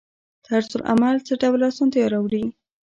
طرزالعمل څه ډول اسانتیا راوړي؟